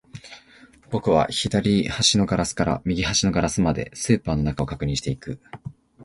僕は左端のガラスから右端のガラスまで、スーパーの中を確認していく